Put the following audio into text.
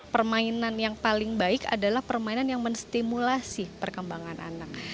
permainan yang paling baik adalah permainan yang menstimulasi perkembangan anak